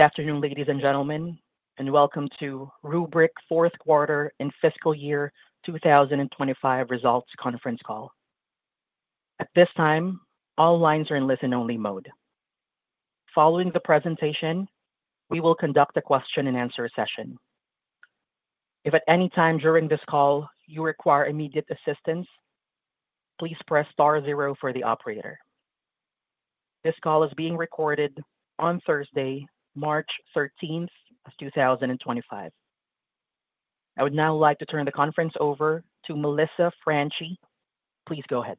Good afternoon, ladies and gentlemen, and welcome to Rubrik Q4 and Fiscal Year 2025 Results Conference Call. At this time, all lines are in listen-only mode. Following the presentation, we will conduct a question-and-answer session. If at any time during this call you require immediate assistance, please press star zero for the operator. This call is being recorded on Thursday, March 13th, 2025. I would now like to turn the conference over to Melissa Franchi. Please go ahead.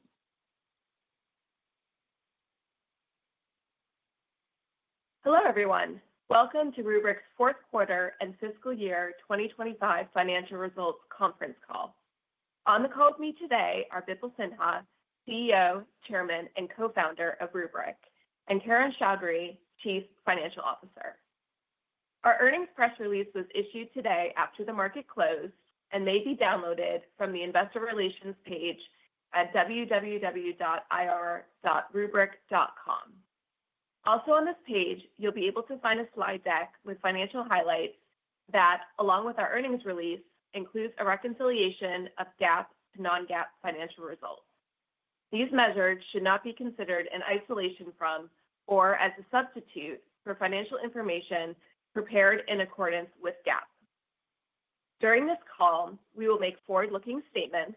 Hello, everyone. Welcome to Rubrik's Q4 and Fiscal Year 2025 Financial Results Conference Call. On the call with me today are Bipul Sinha, CEO, Chairman, and Co-founder of Rubrik, and Kiran Choudary, Chief Financial Officer. Our earnings press release was issued today after the market closed and may be downloaded from the Investor Relations page at www.ir.rubrik.com. Also, on this page, you'll be able to find a slide deck with financial highlights that, along with our earnings release, includes a reconciliation of GAAP to non-GAAP financial results. These measures should not be considered in isolation from or as a substitute for financial information prepared in accordance with GAAP. During this call, we will make forward-looking statements,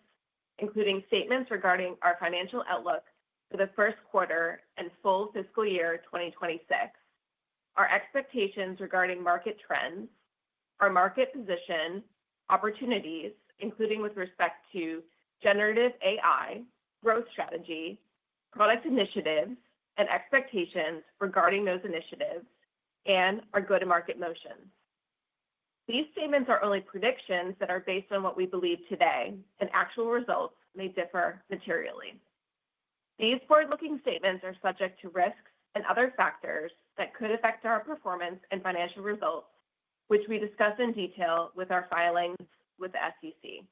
including statements regarding our financial outlook for the Q1 and full fiscal year 2026, our expectations regarding market trends, our market position, opportunities, including with respect to generative AI, growth strategy, product initiatives, and expectations regarding those initiatives, and our go-to-market motions. These statements are only predictions that are based on what we believe today, and actual results may differ materially. These forward-looking statements are subject to risks and other factors that could affect our performance and financial results, which we discuss in detail with our filings with the SEC.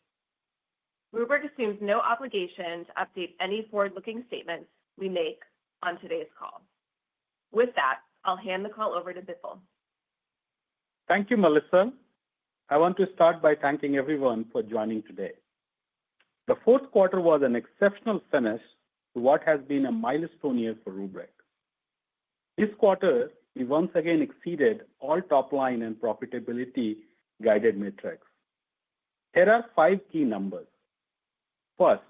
Rubrik assumes no obligation to update any forward-looking statements we make on today's call. With that, I'll hand the call over to Bipul. Thank you, Melissa. I want to start by thanking everyone for joining today. The Q4 was an exceptional finish to what has been a milestone year for Rubrik. This quarter, we once again exceeded all top-line and profitability-guided metrics. Here are five key numbers. First,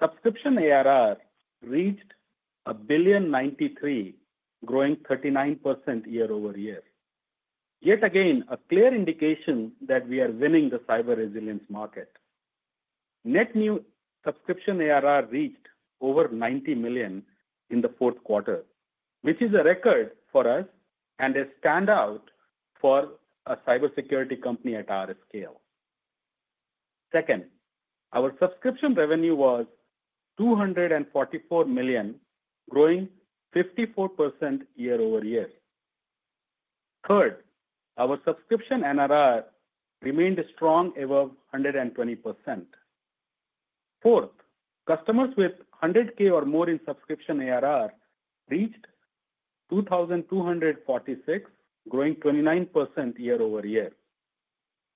subscription ARR reached $1.93 billion, growing 39% year over year. Yet again, a clear indication that we are winning the cyber resilience market. Net new subscription ARR reached over $90 million in the Q4, which is a record for us and a standout for a cybersecurity company at our scale. Second, our subscription revenue was $244 million, growing 54% year over year. Third, our subscription NRR remained strong above 120%. Fourth, customers with $100,000 or more in subscription ARR reached 2,246, growing 29% year over year.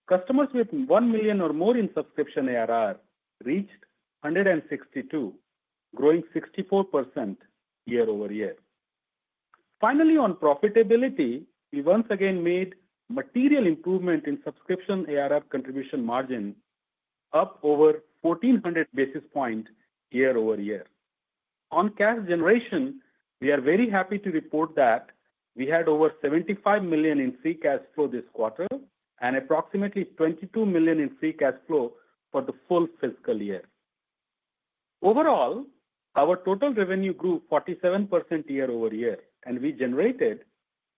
Customers with $1 million or more in subscription ARR reached 162, growing 64% year over year. Finally, on profitability, we once again made material improvement in subscription ARR contribution margin, up over 1,400 basis points year over year. On cash generation, we are very happy to report that we had over $75 million in free cash flow this quarter and approximately $22 million in free cash flow for the full fiscal year. Overall, our total revenue grew 47% year over year, and we generated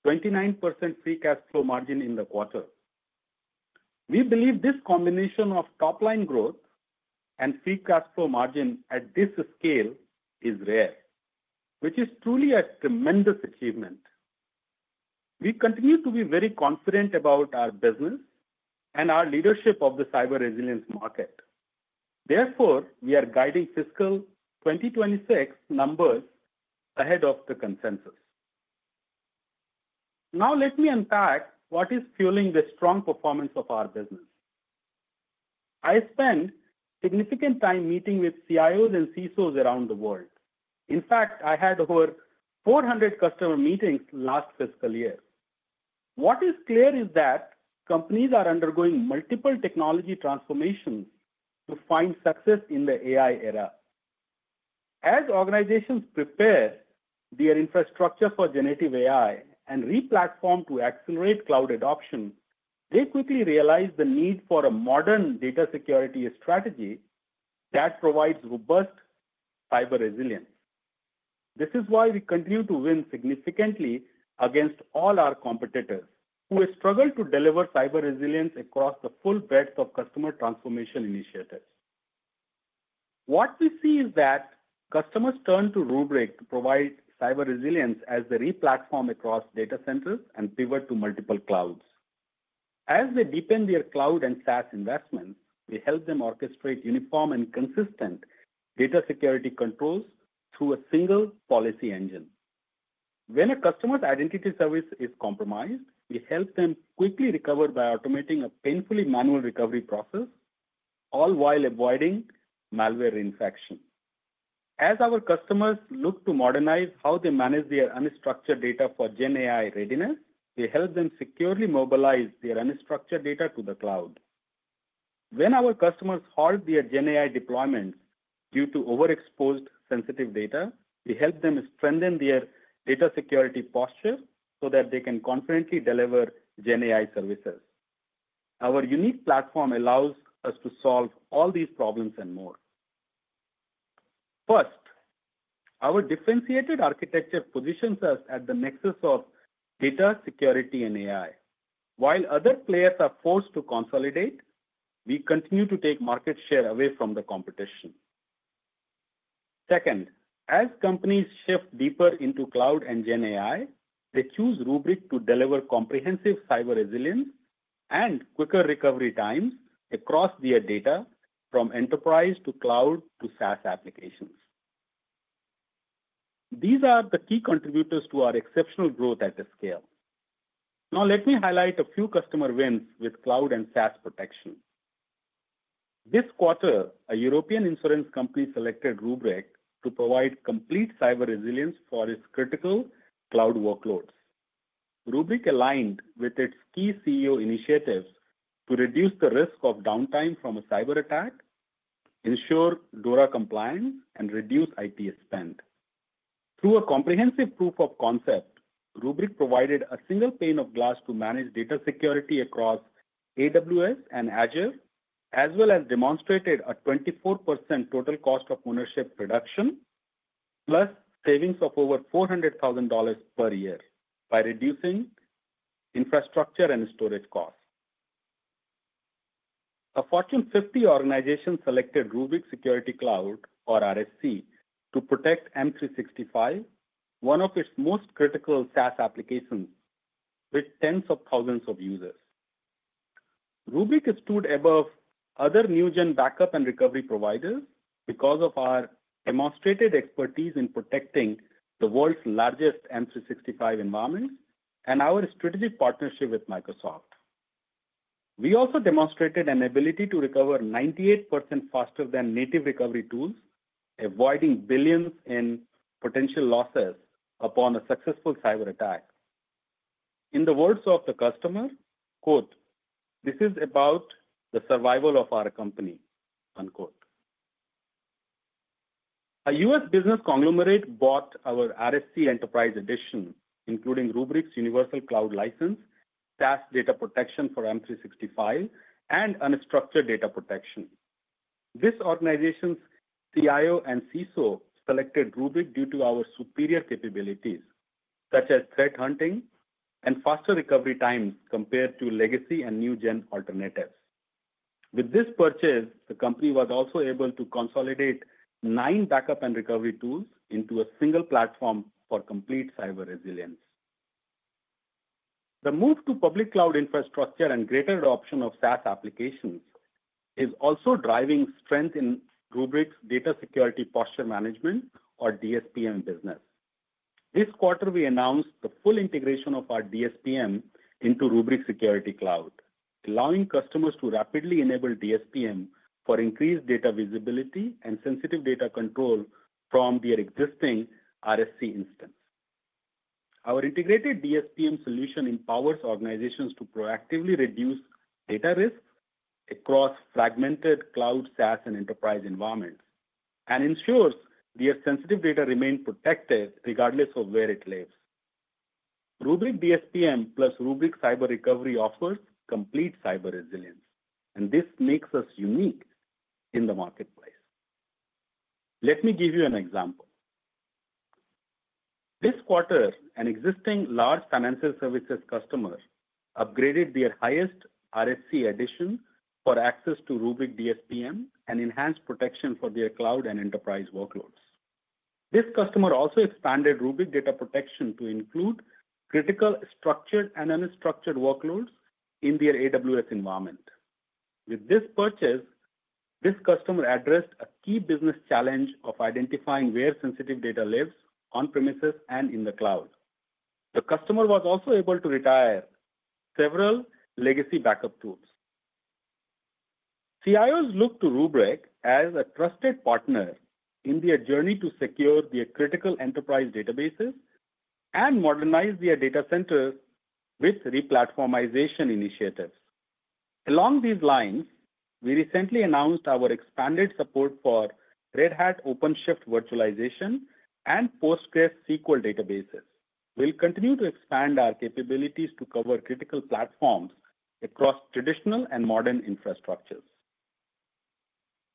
29% free cash flow margin in the quarter. We believe this combination of top-line growth and free cash flow margin at this scale is rare, which is truly a tremendous achievement. We continue to be very confident about our business and our leadership of the cyber resilience market. Therefore, we are guiding fiscal 2026 numbers ahead of the consensus. Now, let me unpack what is fueling the strong performance of our business. I spend significant time meeting with CIOs and CISOs around the world. In fact, I had over 400 customer meetings last fiscal year. What is clear is that companies are undergoing multiple technology transformations to find success in the AI era. As organizations prepare their infrastructure for generative AI and re-platform to accelerate cloud adoption, they quickly realize the need for a modern data security strategy that provides robust cyber resilience. This is why we continue to win significantly against all our competitors who struggle to deliver cyber resilience across the full breadth of customer transformation initiatives. What we see is that customers turn to Rubrik to provide cyber resilience as they re-platform across data centers and pivot to multiple clouds. As they deepen their cloud and SaaS investments, we help them orchestrate uniform and consistent data security controls through a single policy engine. When a customer's identity service is compromised, we help them quickly recover by automating a painfully manual recovery process, all while avoiding malware infection. As our customers look to modernize how they manage their unstructured data for GenAI readiness, we help them securely mobilize their unstructured data to the cloud. When our customers halt their GenAI deployments due to overexposed sensitive data, we help them strengthen their data security posture so that they can confidently deliver GenAI services. Our unique platform allows us to solve all these problems and more. First, our differentiated architecture positions us at the nexus of data, security, and AI. While other players are forced to consolidate, we continue to take market share away from the competition. Second, as companies shift deeper into cloud and GenAI, they choose Rubrik to deliver comprehensive cyber resilience and quicker recovery times across their data from enterprise to cloud to SaaS applications. These are the key contributors to our exceptional growth at this scale. Now, let me highlight a few customer wins with cloud and SaaS protection. This quarter, a European insurance company selected Rubrik to provide complete cyber resilience for its critical cloud workloads. Rubrik aligned with its key CEO initiatives to reduce the risk of downtime from a cyber attack, ensure DORA compliance, and reduce IT spend. Through a comprehensive proof of concept, Rubrik provided a single pane of glass to manage data security across AWS and Azure, as well as demonstrated a 24% total cost of ownership reduction, plus savings of over $400,000 per year by reducing infrastructure and storage costs. A Fortune 50 organization selected Rubrik Security Cloud, or RSC, to protect M365, one of its most critical SaaS applications with tens of thousands of users. Rubrik has stood above other new-gen backup and recovery providers because of our demonstrated expertise in protecting the world's largest M365 environments and our strategic partnership with Microsoft. We also demonstrated an ability to recover 98% faster than native recovery tools, avoiding billions in potential losses upon a successful cyber attack. In the words of the customer, "This is about the survival of our company." A U.S. business conglomerate bought our RSC Enterprise Edition, including Rubrik's Universal Cloud License, SaaS data protection for M365, and unstructured data protection. This organization's CIO and CISO selected Rubrik due to our superior capabilities, such as threat hunting and faster recovery times compared to legacy and new-gen alternatives. With this purchase, the company was also able to consolidate nine backup and recovery tools into a single platform for complete cyber resilience. The move to public cloud infrastructure and greater adoption of SaaS applications is also driving strength in Rubrik's data security posture management, or DSPM, business. This quarter, we announced the full integration of our DSPM into Rubrik Security Cloud, allowing customers to rapidly enable DSPM for increased data visibility and sensitive data control from their existing RSC instance. Our integrated DSPM solution empowers organizations to proactively reduce data risks across fragmented cloud, SaaS, and enterprise environments and ensures their sensitive data remain protected regardless of where it lives. Rubrik DSPM plus Rubrik Cyber Recovery offers complete cyber resilience, and this makes us unique in the marketplace. Let me give you an example. This quarter, an existing large financial services customer upgraded their highest RSC edition for access to Rubrik DSPM and enhanced protection for their cloud and enterprise workloads. This customer also expanded Rubrik data protection to include critical structured and unstructured workloads in their AWS environment. With this purchase, this customer addressed a key business challenge of identifying where sensitive data lives on-premises and in the cloud. The customer was also able to retire several legacy backup tools. CIOs look to Rubrik as a trusted partner in their journey to secure their critical enterprise databases and modernize their data centers with re-platformization initiatives. Along these lines, we recently announced our expanded support for Red Hat OpenShift virtualization and PostgreSQL databases. We'll continue to expand our capabilities to cover critical platforms across traditional and modern infrastructures.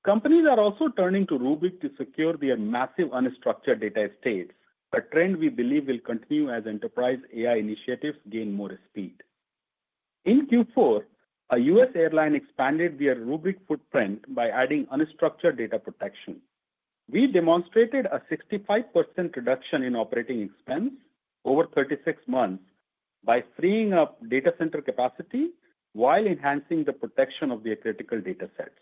Companies are also turning to Rubrik to secure their massive unstructured data estates, a trend we believe will continue as enterprise AI initiatives gain more speed. In Q4, a U.S. airline expanded their Rubrik footprint by adding unstructured data protection. We demonstrated a 65% reduction in operating expense over 36 months by freeing up data center capacity while enhancing the protection of their critical data sets.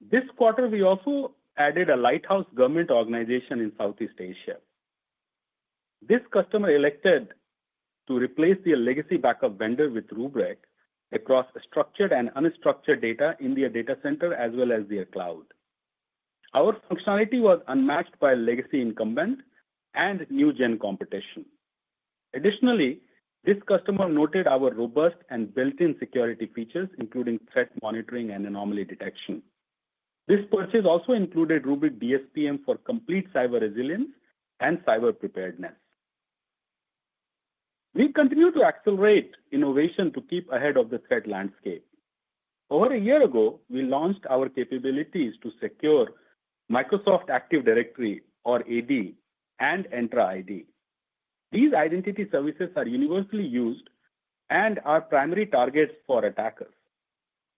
This quarter, we also added a lighthouse government organization in Southeast Asia. This customer elected to replace their legacy backup vendor with Rubrik across structured and unstructured data in their data center as well as their cloud. Our functionality was unmatched by legacy incumbent and new-gen competition. Additionally, this customer noted our robust and built-in security features, including threat monitoring and anomaly detection. This purchase also included Rubrik DSPM for complete cyber resilience and cyber preparedness. We continue to accelerate innovation to keep ahead of the threat landscape. Over a year ago, we launched our capabilities to secure Microsoft Active Directory, or AD, and Entra ID. These identity services are universally used and are primary targets for attackers.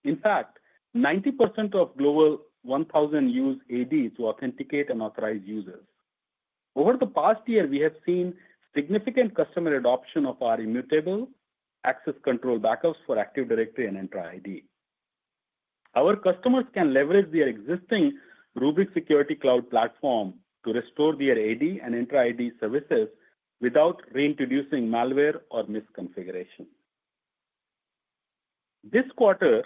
In fact, 90% of global 1,000 use AD to authenticate and authorize users. Over the past year, we have seen significant customer adoption of our immutable access control backups for Active Directory and Entra ID. Our customers can leverage their existing Rubrik Security Cloud platform to restore their AD and Entra ID services without reintroducing malware or misconfiguration. This quarter,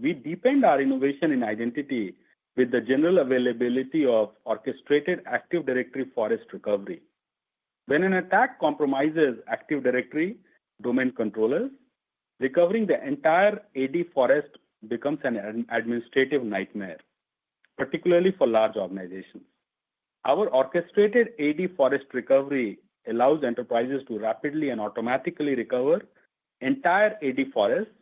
we deepened our innovation in identity with the general availability of Orchestrated Active Directory Forest Recovery. When an attack compromises Active Directory domain controllers, recovering the entire AD forest becomes an administrative nightmare, particularly for large organizations. Our orchestrated AD forest recovery allows enterprises to rapidly and automatically recover entire AD forests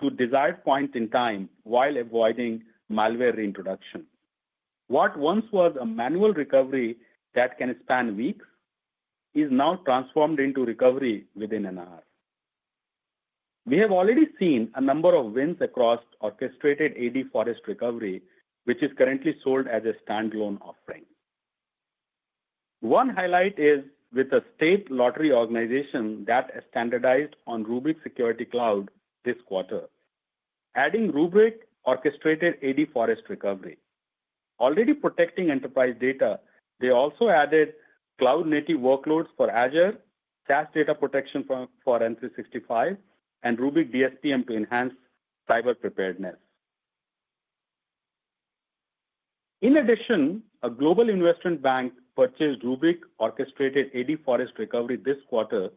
to desired points in time while avoiding malware reintroduction. What once was a manual recovery that can span weeks is now transformed into recovery within an hour. We have already seen a number of wins across orchestrated AD forest recovery, which is currently sold as a standalone offering. One highlight is with a state lottery organization that standardized on Rubrik Security Cloud this quarter, adding Rubrik orchestrated AD forest recovery. Already protecting enterprise data, they also added cloud-native workloads for Azure, SaaS data protection for M365, and Rubrik DSPM to enhance cyber preparedness. In addition, a global investment bank purchased Rubrik orchestrated AD forest recovery this quarter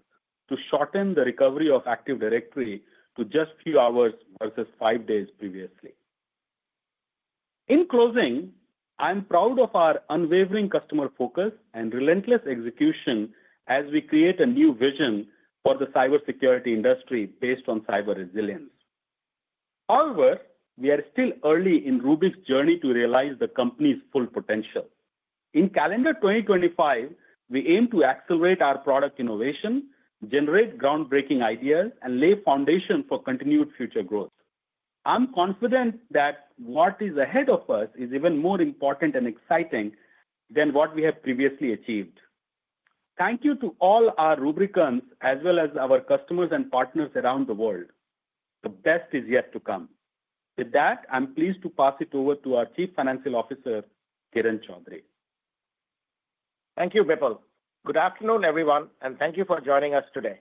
to shorten the recovery of Active Directory to just a few hours versus five days previously. In closing, I'm proud of our unwavering customer focus and relentless execution as we create a new vision for the cybersecurity industry based on cyber resilience. However, we are still early in Rubrik's journey to realize the company's full potential. In calendar 2025, we aim to accelerate our product innovation, generate groundbreaking ideas, and lay foundations for continued future growth. I'm confident that what is ahead of us is even more important and exciting than what we have previously achieved. Thank you to all our, as well as our customers and partners around the world. The best is yet to come. With that, I'm pleased to pass it over to our Chief Financial Officer, Kiran Choudary. Thank you, Bipul. Good afternoon, everyone, and thank you for joining us today.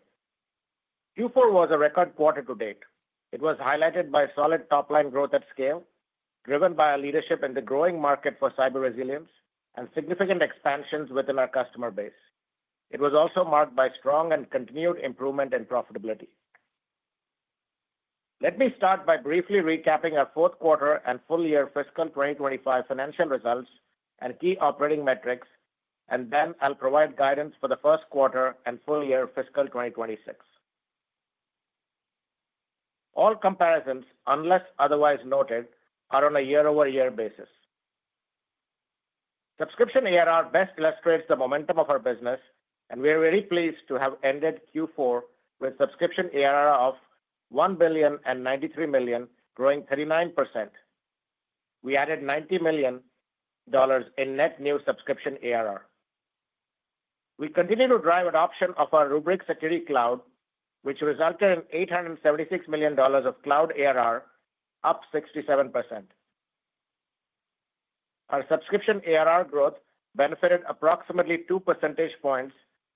Q4 was a record quarter to date. It was highlighted by solid top-line growth at scale, driven by our leadership in the growing market for cyber resilience and significant expansions within our customer base. It was also marked by strong and continued improvement in profitability. Let me start by briefly recapping our Q4 and full-year fiscal 2025 financial results and key operating metrics, and then I'll provide guidance for the Q1 and full-year fiscal 2026. All comparisons, unless otherwise noted, are on a year-over-year basis. Subscription ARR best illustrates the momentum of our business, and we are very pleased to have ended Q4 with subscription ARR of $1 billion and $93 million, growing 39%. We added $90 million in net new subscription ARR. We continue to drive adoption of our Rubrik Security Cloud, which resulted in $876 million of cloud ARR, up 67%. Our subscription ARR growth benefited approximately 2 percentage points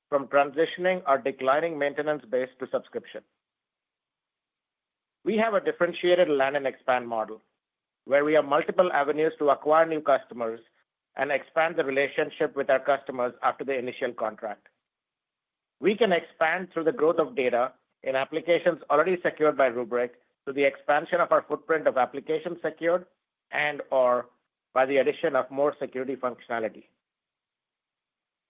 from transitioning or declining maintenance base to subscription. We have a differentiated land and expand model, where we have multiple avenues to acquire new customers and expand the relationship with our customers after the initial contract. We can expand through the growth of data in applications already secured by Rubrik to the expansion of our footprint of applications secured and/or by the addition of more security functionality.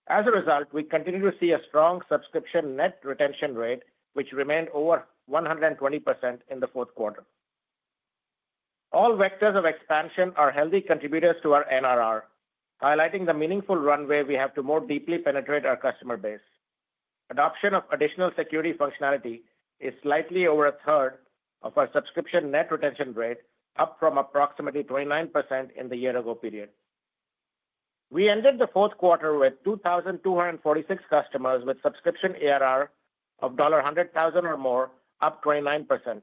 As a result, we continue to see a strong subscription net retention rate, which remained over 120% in the Q4. All vectors of expansion are healthy contributors to our NRR, highlighting the meaningful runway we have to more deeply penetrate our customer base. Adoption of additional security functionality is slightly over a third of our subscription net retention rate, up from approximately 29% in the year-ago period. We ended the Q4 with 2,246 customers with subscription ARR of $100,000 or more, up 29%.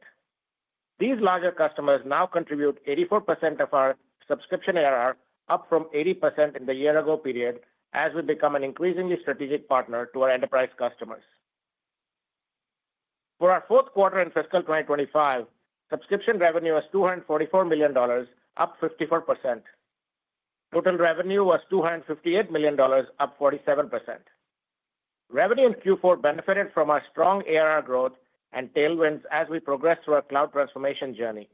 These larger customers now contribute 84% of our subscription ARR, up from 80% in the year-ago period, as we become an increasingly strategic partner to our enterprise customers. For our Q4 and fiscal 2025, subscription revenue was $244 million, up 54%. Total revenue was $258 million, up 47%. Revenue in Q4 benefited from our strong ARR growth and tailwinds as we progressed through our cloud transformation journey.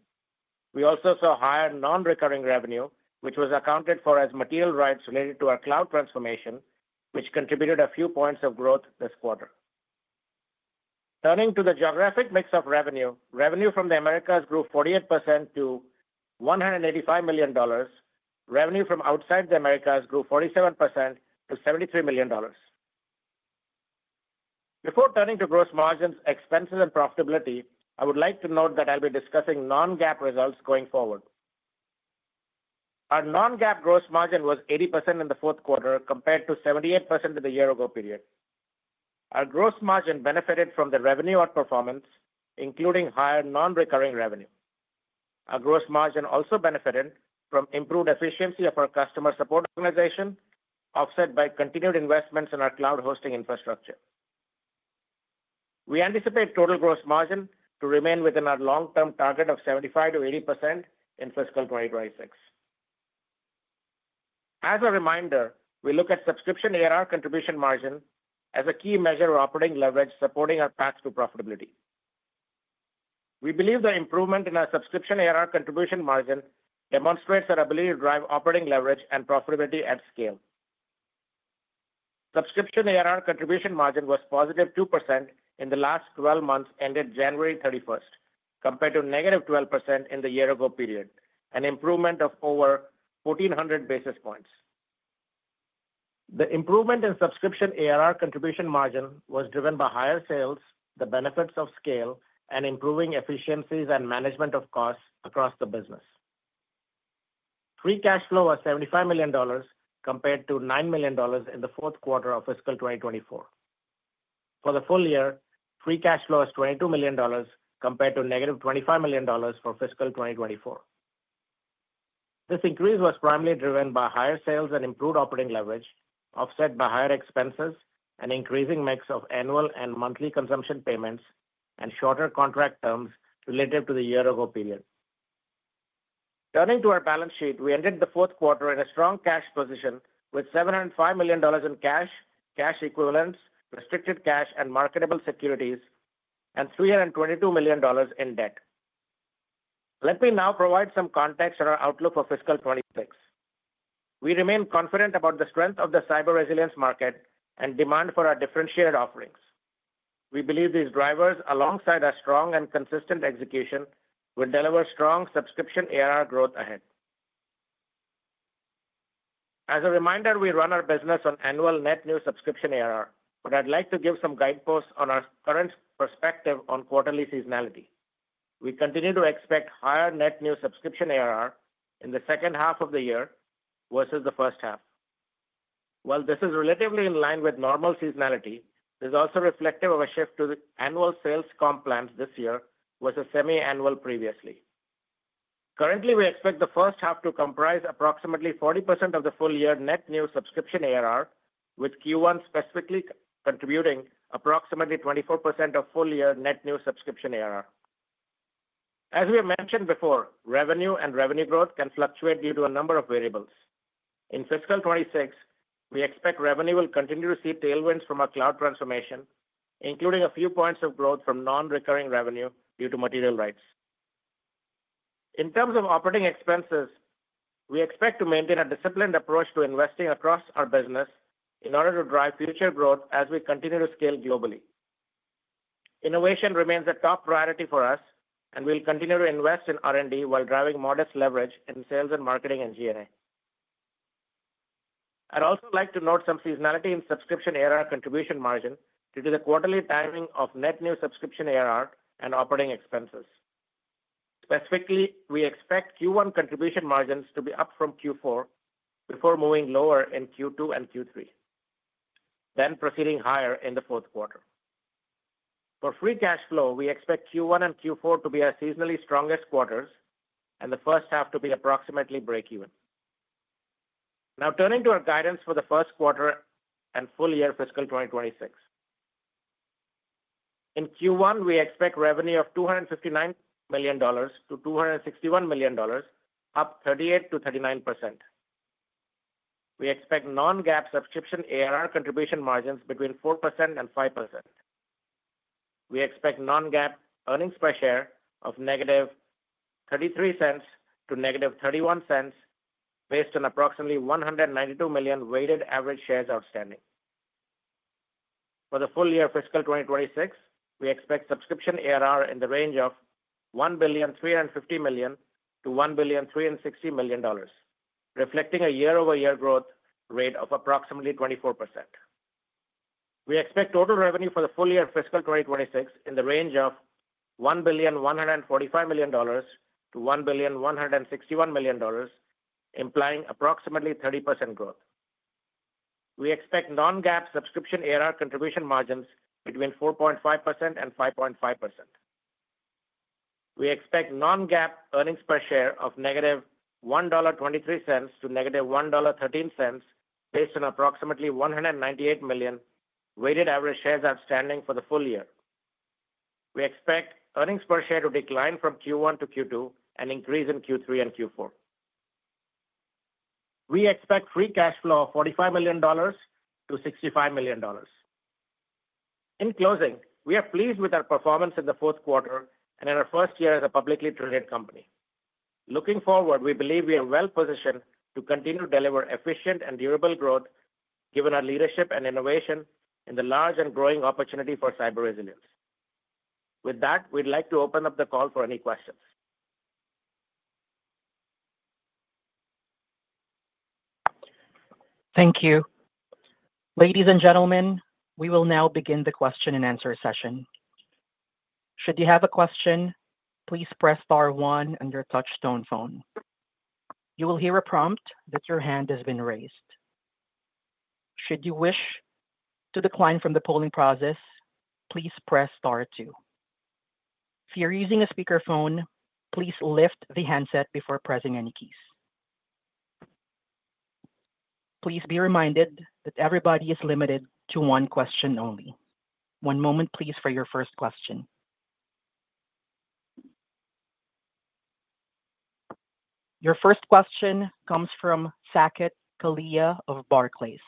We also saw higher non-recurring revenue, which was accounted for as material rights related to our cloud transformation, which contributed a few points of growth this quarter. Turning to the geographic mix of revenue, revenue from the Americas grew 48% to $185 million. Revenue from outside the Americas grew 47% to $73 million. Before turning to gross margins, expenses, and profitability, I would like to note that I'll be discussing non-GAAP results going forward. Our non-GAAP gross margin was 80% in the Q4 compared to 78% in the year-ago period. Our gross margin benefited from the revenue outperformance, including higher non-recurring revenue. Our gross margin also benefited from improved efficiency of our customer support organization, offset by continued investments in our cloud hosting infrastructure. We anticipate total gross margin to remain within our long-term target of 75%-80% in fiscal 2026. As a reminder, we look at subscription ARR contribution margin as a key measure of operating leverage supporting our path to profitability. We believe the improvement in our subscription ARR contribution margin demonstrates our ability to drive operating leverage and profitability at scale. Subscription ARR contribution margin was positive 2% in the last 12 months ended January 31, compared to negative 12% in the year-ago period, an improvement of over 1,400 basis points. The improvement in subscription ARR contribution margin was driven by higher sales, the benefits of scale, and improving efficiencies and management of costs across the business. Free cash flow was $75 million compared to $9 million in the Q4 of fiscal 2024. For the full year, free cash flow was $22 million compared to negative $25 million for fiscal 2024. This increase was primarily driven by higher sales and improved operating leverage, offset by higher expenses and increasing mix of annual and monthly consumption payments and shorter contract terms related to the year-ago period. Turning to our balance sheet, we ended the Q4 in a strong cash position with $705 million in cash, cash equivalents, restricted cash, and marketable securities, and $322 million in debt. Let me now provide some context on our outlook for fiscal 2026. We remain confident about the strength of the cyber resilience market and demand for our differentiated offerings. We believe these drivers, alongside our strong and consistent execution, will deliver strong subscription ARR growth ahead. As a reminder, we run our business on annual net new subscription ARR, but I'd like to give some guideposts on our current perspective on quarterly seasonality. We continue to expect higher net new subscription ARR in the second half of the year versus the first half. While this is relatively in line with normal seasonality, this is also reflective of a shift to the annual sales comp plan this year versus semi-annual previously. Currently, we expect the first half to comprise approximately 40% of the full-year net new subscription ARR, with Q1 specifically contributing approximately 24% of full-year net new subscription ARR. As we have mentioned before, revenue and revenue growth can fluctuate due to a number of variables. In fiscal 2026, we expect revenue will continue to see tailwinds from our cloud transformation, including a few points of growth from non-recurring revenue due to material rights. In terms of operating expenses, we expect to maintain a disciplined approach to investing across our business in order to drive future growth as we continue to scale globally. Innovation remains a top priority for us, and we'll continue to invest in R&D while driving modest leverage in sales and marketing and G&A. I'd also like to note some seasonality in subscription ARR contribution margin due to the quarterly timing of net new subscription ARR and operating expenses. Specifically, we expect Q1 contribution margins to be up from Q4 before moving lower in Q2 and Q3, then proceeding higher in the Q4. For free cash flow, we expect Q1 and Q4 to be our seasonally strongest quarters and the first half to be approximately break-even. Now, turning to our guidance for the Q1 and full-year fiscal 2026. In Q1, we expect revenue of $259 to 261 million, up 38%-39%. We expect non-GAAP subscription ARR contribution margins between 4%-5%. We expect non-GAAP earnings per share of negative $0.33 to negative $0.31 based on approximately 192 million weighted average shares outstanding. For the full-year fiscal 2026, we expect subscription ARR in the range of $1,350 to 1,360 million, reflecting a year-over-year growth rate of approximately 24%. We expect total revenue for the full-year fiscal 2026 in the range of $1,145 to 1,161 million, implying approximately 30% growth. We expect non-GAAP subscription ARR contribution margins between 4.5% and 5.5%. We expect non-GAAP earnings per share of negative $1.23 to negative $1.13 based on approximately 198 million weighted average shares outstanding for the full year. We expect earnings per share to decline from Q1 to Q2 and increase in Q3 and Q4. We expect free cash flow of $45 to 65 million. In closing, we are pleased with our performance in the Q4 and in our first year as a publicly traded company. Looking forward, we believe we are well positioned to continue to deliver efficient and durable growth, given our leadership and innovation in the large and growing opportunity for cyber resilience. With that, we'd like to open up the call for any questions. Thank you. Ladies and gentlemen, we will now begin the question and answer session. Should you have a question, please press star one on your touch-tone phone. You will hear a prompt that your hand has been raised. Should you wish to decline from the polling process, please press star two. If you're using a speakerphone, please lift the handset before pressing any keys. Please be reminded that everybody is limited to one question only. One moment, please, for your first question. Your first question comes from Saket Kalia of Barclays.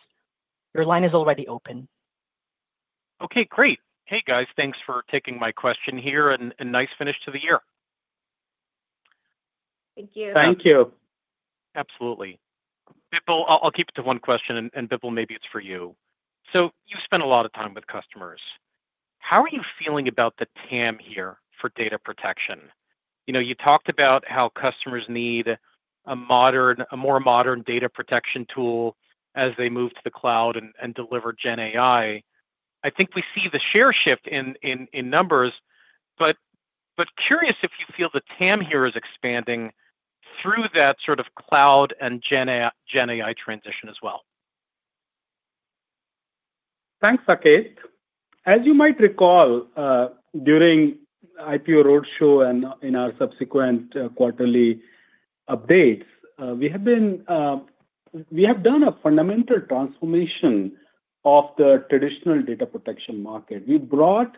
Your line is already open. Okay, great. Hey, guys. Thanks for taking my question here, and nice finish to the year. Thank you. Thank you. Absolutely. Bipul, I'll keep it to one question, and Bipul, maybe it's for you. You spend a lot of time with customers. How are you feeling about the TAM here for data protection? You talked about how customers need a more modern data protection tool as they move to the cloud and deliver GenAI. I think we see the share shift in numbers, but curious if you feel the TAM here is expanding through that sort of cloud and GenAI transition as well. Thanks, Saket. As you might recall, during IPO Roadshow and in our subsequent quarterly updates, we have done a fundamental transformation of the traditional data protection market. We brought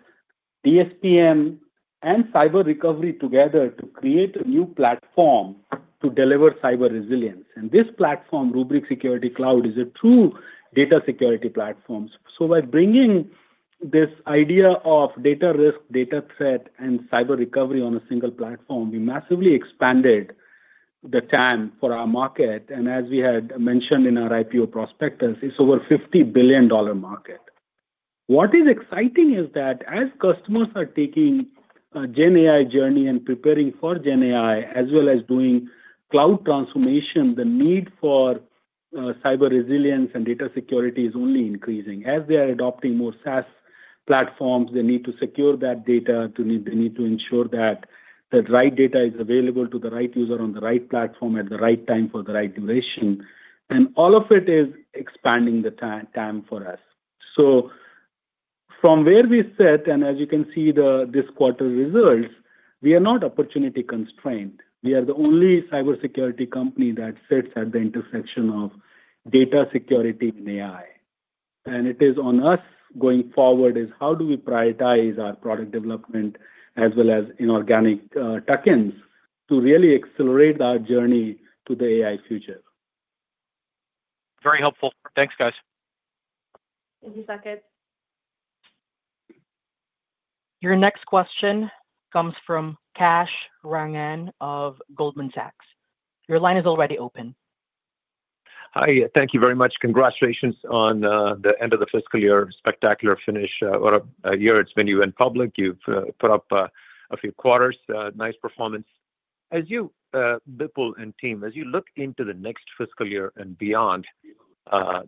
DSPM and cyber recovery together to create a new platform to deliver cyber resilience. This platform, Rubrik Security Cloud, is a true data security platform. By bringing this idea of data risk, data threat, and cyber recovery on a single platform, we massively expanded the TAM for our market. As we had mentioned in our IPO prospectus, it is over $50 billion market. What is exciting is that as customers are taking a GenAI journey and preparing for GenAI, as well as doing cloud transformation, the need for cyber resilience and data security is only increasing as they are adopting more SaaS platforms, they need to secure that data they need to ensure that the right data is available to the right user on the right platform at the right time for the right duration. All of it is expanding the TAM for us. From where we sit, and as you can see this quarter results, we are not opportunity constrained. We are the only cybersecurity company that sits at the intersection of data security and AI. It is on us going forward is how do we prioritize our product development as well as inorganic tokens to really accelerate our journey to the AI future. Very helpful. Thanks, guys. Thank you, Saket. Your next question comes from Kash Rangan of Goldman Sachs. Your line is already open. Hi. Thank you very much. Congratulations on the end of the fiscal year. Spectacular finish. Or a year it's been you went public you've put up a few quarters. Nice performance. As you, Bipul and team, as you look into the next fiscal year and beyond,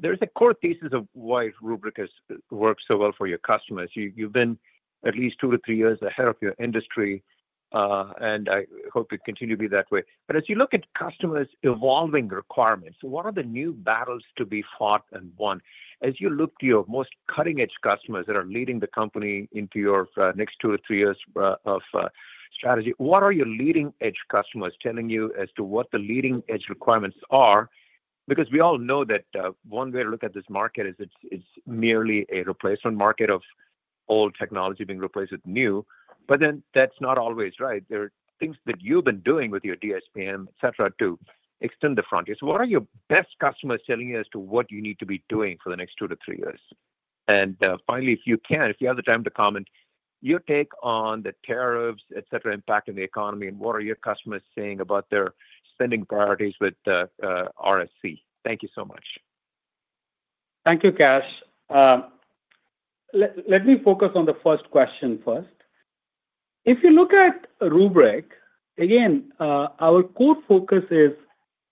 there is a core thesis of why Rubrik has worked so well for your customers. You've been at least two to three years ahead of your industry, and I hope you continue to be that way. As you look at customers' evolving requirements, what are the new battles to be fought and won? As you look to your most cutting-edge customers that are leading the company into your next two to three years of strategy, what are your leading-edge customers telling you as to what the leading-edge requirements are? We all know that one way to look at this market is it's merely a replacement market of old technology being replaced with new. That is not always right. There are things that you've been doing with your DSPM, etc., to extend the frontiers. What are your best customers telling you as to what you need to be doing for the next two to three years? Finally, if you can, if you have the time to comment, your take on the tariffs, etc., impacting the economy, and what are your customers saying about their spending priorities with RSC? Thank you so much. Thank you, Kash. Let me focus on the first question first. If you look at Rubrik, again, our core focus is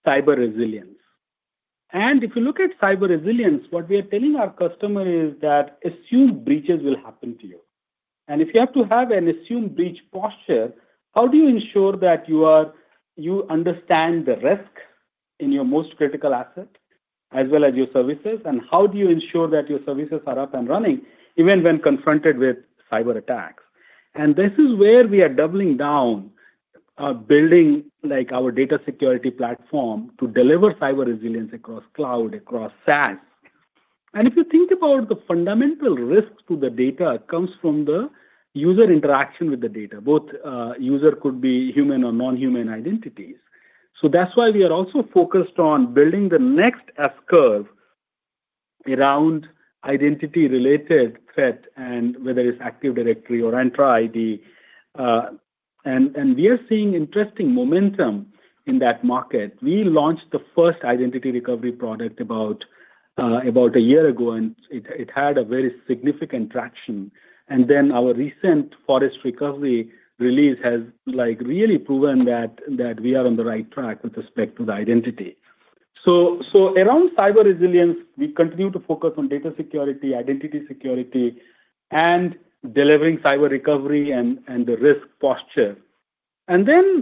cyber resilience. If you look at cyber resilience, what we are telling our customer is that assumed breaches will happen to you. If you have to have an assumed breach posture, how do you ensure that you understand the risk in your most critical asset as well as your services? How do you ensure that your services are up and running even when confronted with cyber attacks? This is where we are doubling down, building our data security platform to deliver cyber resilience across cloud, across SaaS. If you think about the fundamental risk to the data, it comes from the user interaction with the data both users could be human or non-human identities. That is why we are also focused on building the next S-curve around identity-related threat and whether it is Active Directory or Entra ID. We are seeing interesting momentum in that market. We launched the first identity recovery product about a year ago, and it had very significant traction. Our recent forest recovery release has really proven that we are on the right track with respect to the identity. Around cyber resilience, we continue to focus on data security, identity security, and delivering cyber recovery and the risk posture.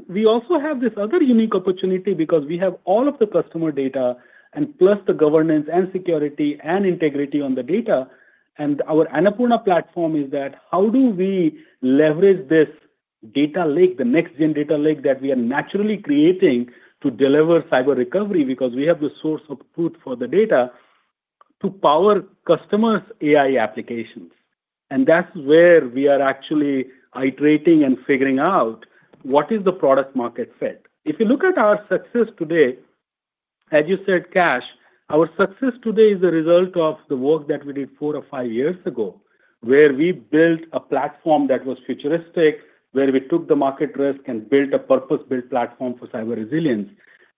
We also have this other unique opportunity because we have all of the customer data and plus the governance and security and integrity on the data. Our platform is that how do we leverage this data lake, the next-gen data lake that we are naturally creating to deliver cyber recovery because we have the source of truth for the data to power customers' AI applications. That is where we are actually iterating and figuring out what is the product-market fit. If you look at our success today, as you said, Kash, our success today is the result of the work that we did four or five years ago where we built a platform that was futuristic, where we took the market risk and built a purpose-built platform for cyber resilience.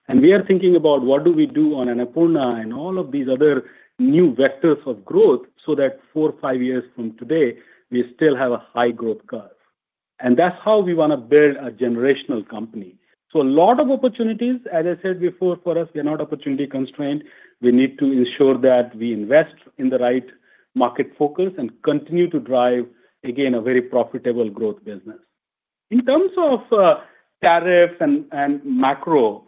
We are thinking about what do we do on Annapurna and all of these other new vectors of growth so that four or five years from today, we still have a high growth curve. That is how we want to build a generational company. A lot of opportunities, as I said before, for us, we are not opportunity constrained. We need to ensure that we invest in the right market focus and continue to drive, again, a very profitable growth business. In terms of tariffs and macro,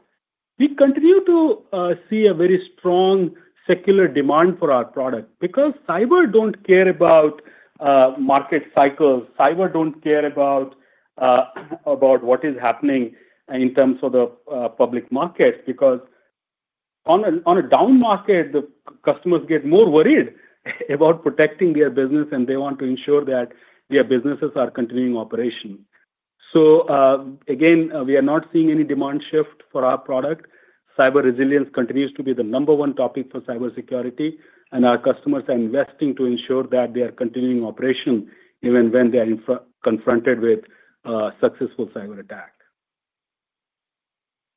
we continue to see a very strong secular demand for our product because cyber does not care about market cycles, Cyber does not care about what is happening in terms of the public markets because on a down market, the customers get more worried about protecting their business, and they want to ensure that their businesses are continuing operation. Again, we are not seeing any demand shift for our product. Cyber resilience continues to be the number one topic for cybersecurity, and our customers are investing to ensure that they are continuing operation even when they are confronted with a successful cyber attack.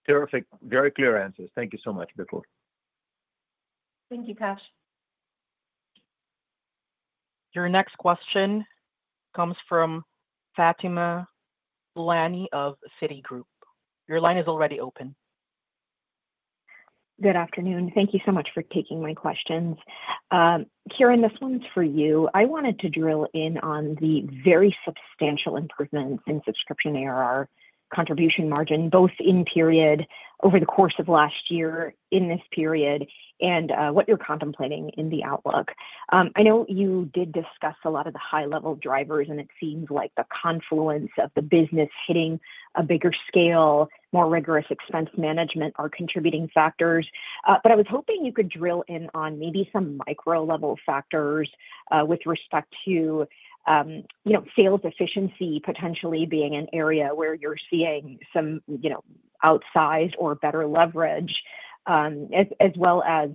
Terrific. Very clear answers. Thank you so much, Bipul. Thank you, Kash. Your next question comes from Fatima Boolani of Citigroup. Your line is already open. Good afternoon thank you so much for taking my questions. Kiran, this one's for you. I wanted to drill in on the very substantial improvements in subscription ARR contribution margin, both in period over the course of last year in this period and what you're contemplating in the outlook. I know you did discuss a lot of the high-level drivers, and it seems like the confluence of the business hitting a bigger scale, more rigorous expense management are contributing factors. I was hoping you could drill in on maybe some micro-level factors with respect to sales efficiency potentially being an area where you're seeing some outsized or better leverage, as well as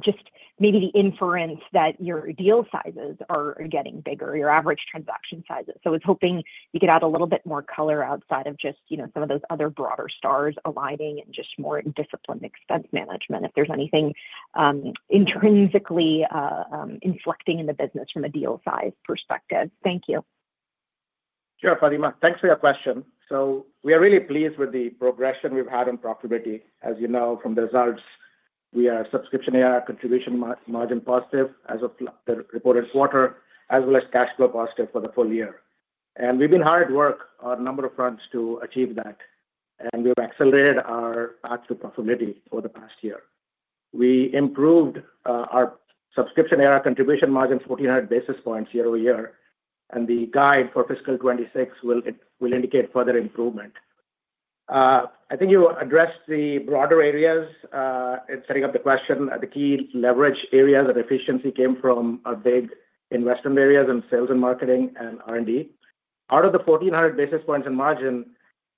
just maybe the inference that your deal sizes are getting bigger, your average transaction sizes i was hoping you could add a little bit more color outside of just some of those other broader stars aligning and just more disciplined expense management if there's anything intrinsically inflecting in the business from a deal size perspective. Thank you. Sure, Fatima. Thanks for your question. We are really pleased with the progression we've had on profitability. As you know, from the results, we are subscription ARR contribution margin positive as of the reported quarter, as well as cash flow positive for the full year. We have been hard at work on a number of fronts to achieve that. We have accelerated our path to profitability over the past year. We improved our subscription ARR contribution margin 1,400 basis points year over year. The guide for fiscal 2026 will indicate further improvement. I think you addressed the broader areas in setting up the question the key leverage areas of efficiency came from our big investment areas in sales and marketing and R&D. Out of the 1,400 basis points in margin,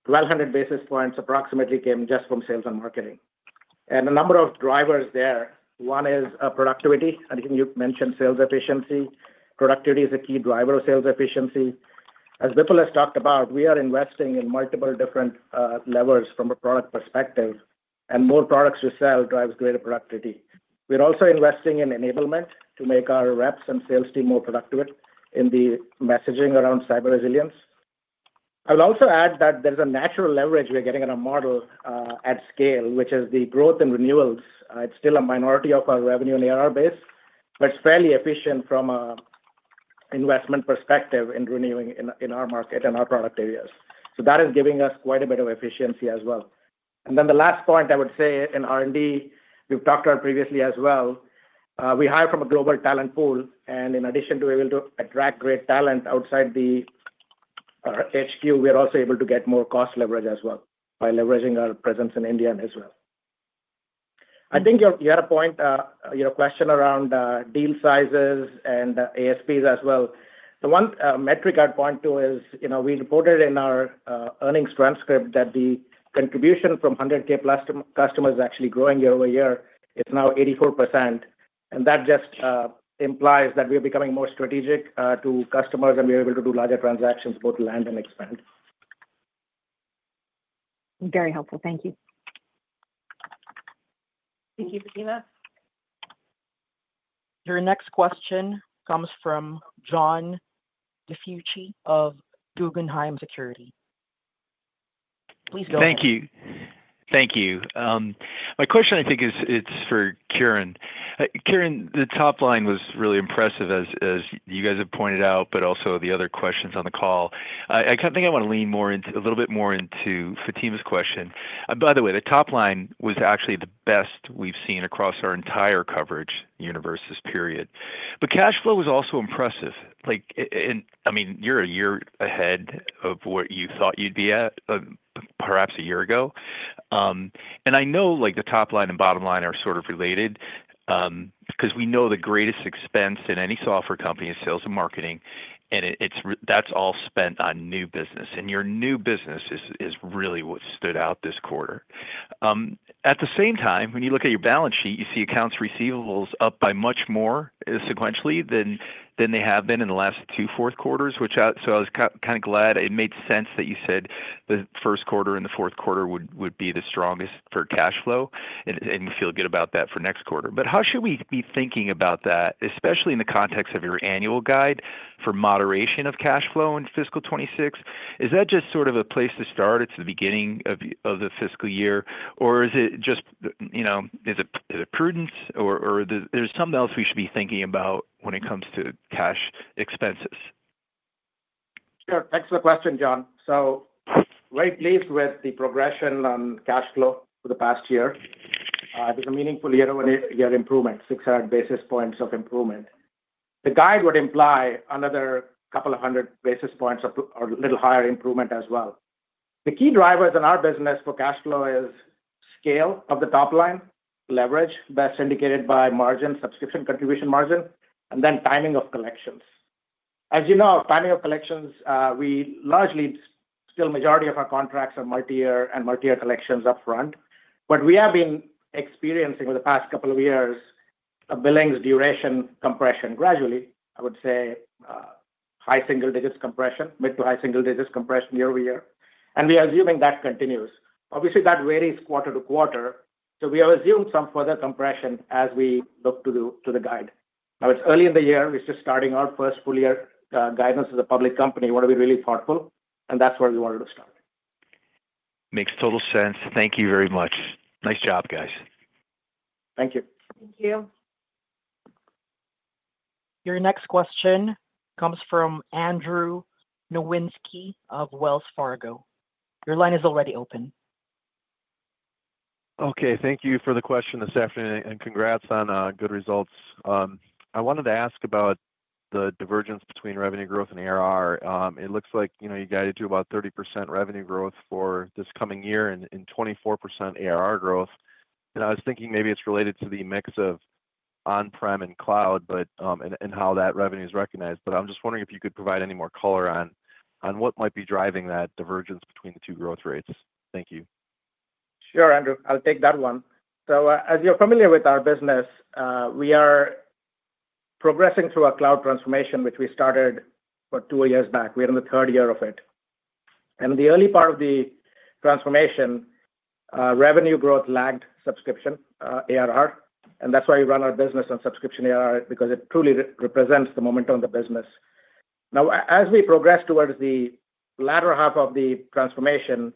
1,200 basis points approximately came just from sales and marketing. There are a number of drivers there. One is productivity. I think you mentioned sales efficiency. Productivity is a key driver of sales efficiency. As Bipul has talked about, we are investing in multiple different levers from a product perspective. More products to sell drives greater productivity. We're also investing in enablement to make our reps and sales team more productive in the messaging around cyber resilience. I will also add that there's a natural leverage we're getting in our model at scale, which is the growth and renewals. It's still a minority of our revenue and ARR base, but it's fairly efficient from an investment perspective in renewing in our market and our product areas. That is giving us quite a bit of efficiency as well. The last point I would say in R&D, we've talked about previously as well. We hire from a global talent pool. In addition to being able to attract great talent outside the HQ, we're also able to get more cost leverage as well by leveraging our presence in India and Israel. I think you had a point, your question around deal sizes and ASPs as well. The one metric I'd point to is we reported in our earnings transcript that the contribution from $100,000 plus customers is actually growing year over year. It's now 84%. And that just implies that we are becoming more strategic to customers and we are able to do larger transactions, both land and expand. Very helpful. Thank you. Thank you, Fatima. Your next question comes from John DiFucci of Guggenheim Securities. Please go ahead. Thank you. Thank you. My question, I think, is for Kiran. Kiran, the top line was really impressive, as you guys have pointed out, but also the other questions on the call. I think I want to lean a little bit more into Fatima's question. By the way, the top line was actually the best we've seen across our entire coverage universe this period. But cash flow was also impressive. I mean, you're a year ahead of what you thought you'd be at perhaps a year ago. I know the top line and bottom line are sort of related because we know the greatest expense in any software company is sales and marketing, and that's all spent on new business. Your new business is really what stood out this quarter. At the same time, when you look at your balance sheet, you see accounts receivables up by much more sequentially than they have been in the last two Q4s i was kind of glad it made sense that you said the Q1 and the Q4 would be the strongest for cash flow and feel good about that for next quarter. How should we be thinking about that, especially in the context of your annual guide for moderation of cash flow in fiscal 2026? Is that just sort of a place to start? It's the beginning of the fiscal year, or is it just is it prudence, or there's something else we should be thinking about when it comes to cash expenses? Sure. Thanks for the question, John. So very pleased with the progression on cash flow for the past year. It was a meaningful year-on-year improvement, 600 basis points of improvement. The guide would imply another couple of hundred basis points or a little higher improvement as well. The key drivers in our business for cash flow is scale of the top line, leverage, best indicated by margin, subscription contribution margin, and then timing of collections. As you know, timing of collections, we largely still majority of our contracts are multi-year and multi-year collections upfront. We have been experiencing over the past couple of years a billings duration compression gradually. I would say high single digits compression, mid to high single digits compression year over year. We are assuming that continues. Obviously, that varies quarter to quarter. We have assumed some further compression as we look to the guide. Now, it's early in the year. We're just starting our first full-year guidance as a public company. We want to be really thoughtful, and that's where we wanted to start. Makes total sense. Thank you very much. Nice job, guys. Thank you. Thank you. Your next question comes from Andrew Nowinski of Wells Fargo. Your line is already open. Okay thank you for the question this afternoon, and congrats on good results. I wanted to ask about the divergence between revenue growth and ARR, It looks like you guided to about 30% revenue growth for this coming year and 24% ARR growth. I was thinking maybe it's related to the mix of on-prem and cloud and how that revenue is recognized. I'm just wondering if you could provide any more color on what might be driving that divergence between the two growth rates. Thank you. Sure, Andrew. I'll take that one. As you're familiar with our business, we are progressing through a cloud transformation, which we started about two years back we're in the third year of it. In the early part of the transformation, revenue growth lagged subscription ARR. That's why we run our business on subscription ARR because it truly represents the momentum of the business. Now, as we progress towards the latter half of the transformation,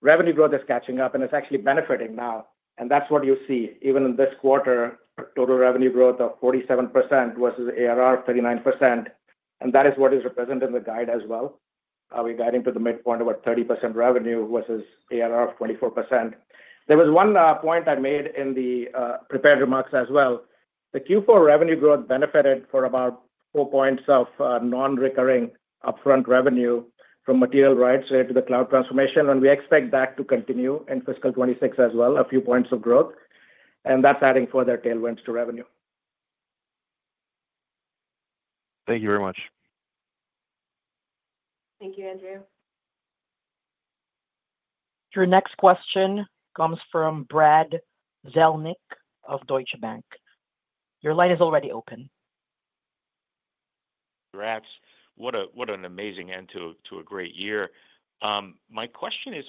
revenue growth is catching up, and it's actually benefiting now. That's what you see. Even in this quarter, total revenue growth of 47% versus ARR of 39%. That is what is represented in the guide as well. We're guiding to the midpoint of about 30% revenue versus ARR of 24%. There was one point I made in the prepared remarks as well. The Q4 revenue growth benefited for about four points of non-recurring upfront revenue from material rights related to the cloud transformation. We expect that to continue in fiscal 2026 as well, a few points of growth. That is adding further tailwinds to revenue. Thank you very much. Thank you, Andrew. Your next question comes from Brad Zelnick of Deutsche Bank. Your line is already open. Congrats. What an amazing end to a great year. My question is,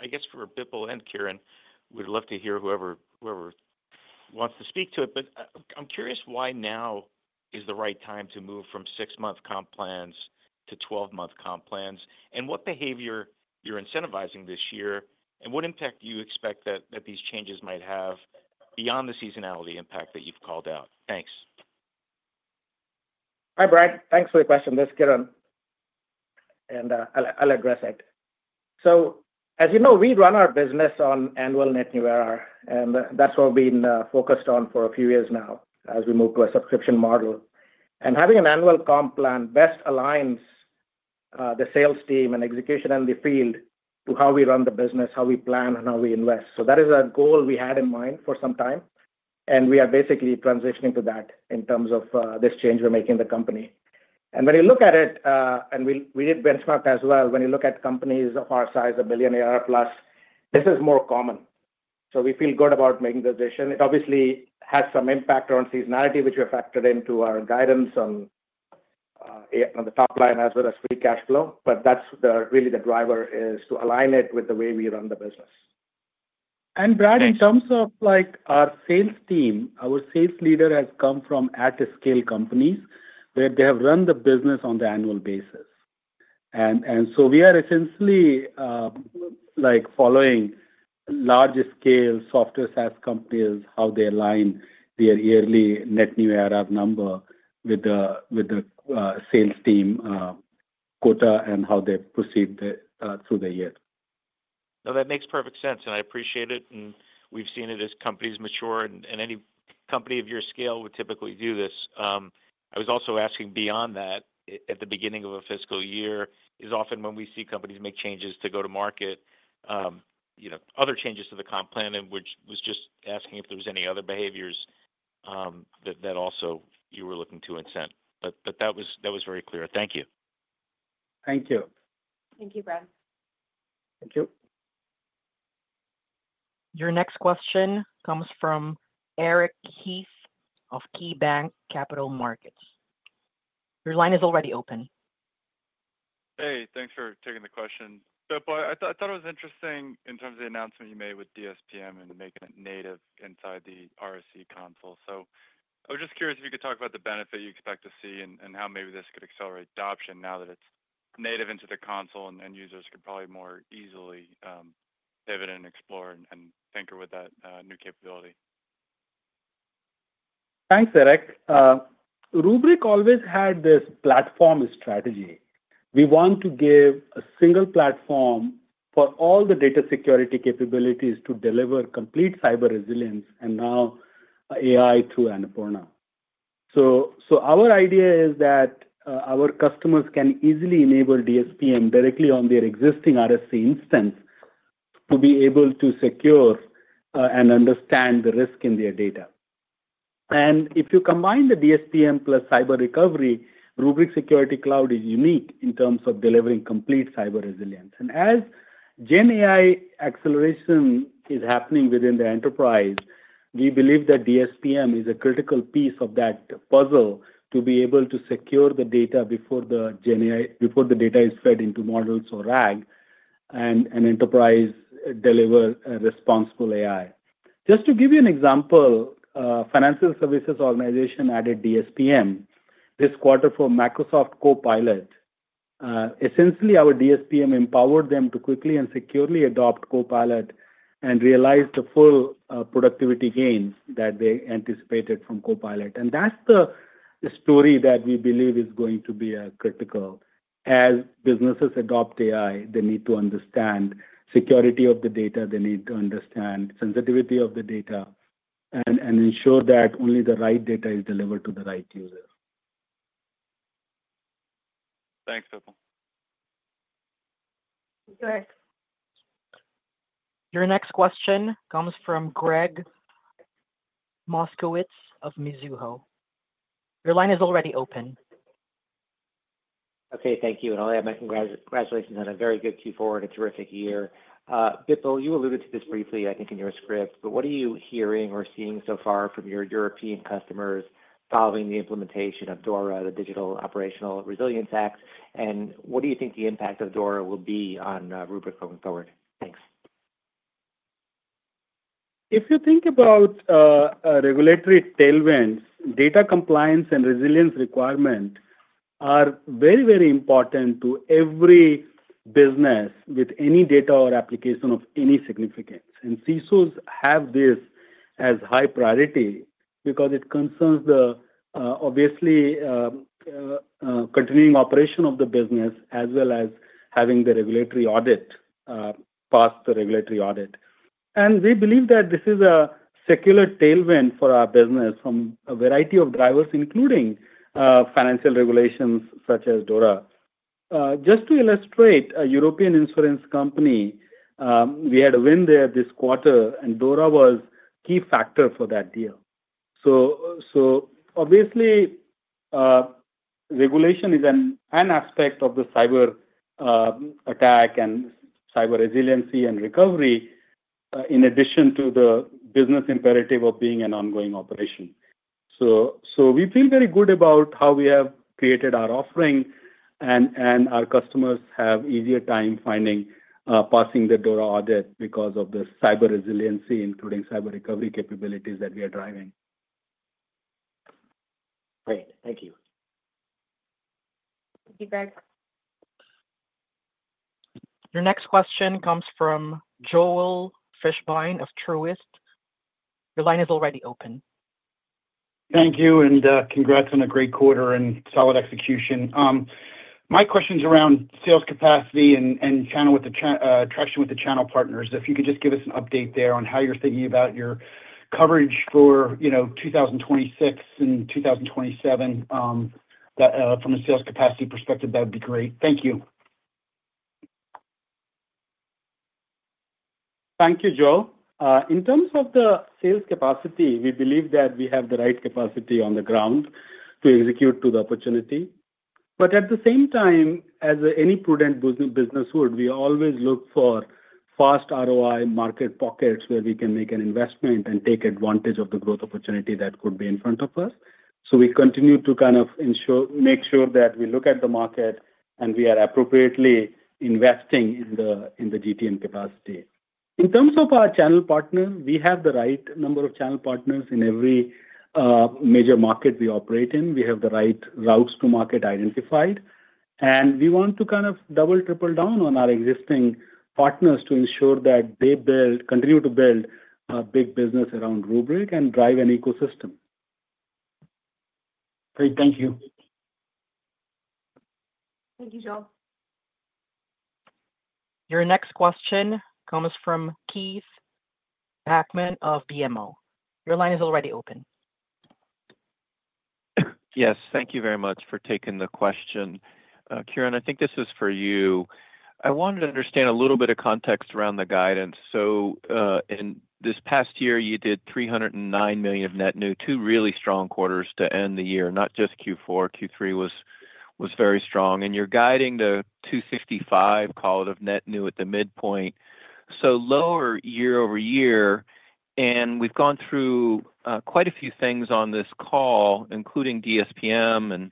I guess, for Bipul and Kiran, we'd love to hear whoever wants to speak to it. I'm curious why now is the right time to move from six-month comp plans to 12-month comp plans? What behavior are you incentivizing this year? What impact do you expect that these changes might have beyond the seasonality impact that you have called out? Thanks. Hi, Brad. Thanks for the question. Let's get on. I'll address it. As you know, we run our business on annual net new ARR. That is what we have been focused on for a few years now as we move to a subscription model. Having an annual comp plan best aligns the sales team and execution in the field to how we run the business, how we plan, and how we invest that is a goal we had in mind for some time. We are basically transitioning to that in terms of this change we are making in the company. When you look at it, and we did benchmark as well, when you look at companies of our size, a billion ARR plus, this is more common. We feel good about making the decision It obviously has some impact on seasonality, which we have factored into our guidance on the top line as well as free cash flow that is really the driver, to align it with the way we run the business. Brad, in terms of our sales team, our sales leader has come from at-scale companies where they have run the business on the annual basis. We are essentially following large-scale software SaaS companies, how they align their yearly net new ARR number with the sales team quota and how they proceed through the year. No, that makes perfect sense i appreciate it. We have seen it as companies mature any company of your scale would typically do this. I was also asking beyond that, at the beginning of a fiscal year is often when we see companies make changes to go to market, other changes to the comp plan, and was just asking if there were any other behaviors that also you were looking to incent. That was very clear. Thank you. Thank you. Thank you, Brad. Thank you .Your next question comes from Eric Heath of KeyBanc Capital Markets. Your line is already open. Hey, thanks for taking the question. I thought it was interesting in terms of the announcement you made with DSPM and making it native inside the RSC console. I was just curious if you could talk about the benefit you expect to see and how maybe this could accelerate adoption now that it's native into the console and users could probably more easily pivot and explore and tinker with that new capability. Thanks, Eric. Rubrik always had this platform strategy. We want to give a single platform for all the data security capabilities to deliver complete cyber resilience and now AI through Annapurna. Our idea is that our customers can easily enable DSPM directly on their existing RSC instance to be able to secure and understand the risk in their data. If you combine the DSPM plus cyber recovery, Rubrik Security Cloud is unique in terms of delivering complete cyber resilience, As GenAI acceleration is happening within the enterprise, we believe that DSPM is a critical piece of that puzzle to be able to secure the data before the data is fed into models or RAG and an enterprise deliver responsible AI. Just to give you an example, a financial services organization added DSPM this quarter for Microsoft Copilot. Essentially, our DSPM empowered them to quickly and securely adopt Copilot and realize the full productivity gains that they anticipated from Copilot that is the story that we believe is going to be critical. As businesses adopt AI, they need to understand security of the data they need to understand sensitivity of the data and ensure that only the right data is delivered to the right user. Thanks, Bipul. Good. Your next question comes from Gregg Moskowitz of Mizuho. Your line is already open. Okay. Thank you. I'll add my congratulations on a very good Q4 and a terrific year. Bipul, you alluded to this briefly, I think, in your script, but what are you hearing or seeing so far from your European customers following the implementation of DORA, the Digital Operational Resilience Act? What do you think the impact of DORA will be on Rubrik going forward? Thanks. If you think about regulatory tailwinds, data compliance and resilience requirements are very, very important to every business with any data or application of any significance CISOs have this as high priority because it concerns the, obviously, continuing operation of the business as well as having the regulatory audit pass the regulatory audit. We believe that this is a secular tailwind for our business from a variety of drivers, including financial regulations such as DORA. Just to illustrate, a European insurance company, we had a win there this quarter, and DORA was a key factor for that deal. Obviously, regulation is an aspect of the cyber attack and cyber resiliency and recovery in addition to the business imperative of being an ongoing operation. We feel very good about how we have created our offering, and our customers have easier time passing the DORA audit because of the cyber resiliency, including cyber recovery capabilities that we are driving. Great. Thank you. Thank you, Gregg. Your next question comes from Joel Fishbein of Truist. Your line is already open. Thank you. Congrats on a great quarter and solid execution. My question's around sales capacity and traction with the channel partners. If you could just give us an update there on how you're thinking about your coverage for 2026 and 2027 from a sales capacity perspective, that would be great. Thank you. Thank you, Joel. In terms of the sales capacity, we believe that we have the right capacity on the ground to execute to the opportunity. At the same time, as any prudent business would, we always look for fast ROI market pockets where we can make an investment and take advantage of the growth opportunity that could be in front of us. We continue to kind of make sure that we look at the market and we are appropriately investing in the GTM capacity. In terms of our channel partners, we have the right number of channel partners in every major market we operate in. We have the right routes to market identified. We want to kind of double, triple down on our existing partners to ensure that they continue to build a big business around Rubrik and drive an ecosystem. Great. Thank you. Thank you, Joel. Your next question comes from Keith Bachman of BMO. Your line is already open. Yes. Thank you very much for taking the question. Kiran, I think this is for you. I wanted to understand a little bit of context around the guidance. In this past year, you did $309 million of net new, two really strong quarters to end the year, not just Q4. Q3 was very strong. You are guiding the $255 million call of net new at the midpoint, so lower year over year. We have gone through quite a few things on this call, including DSPM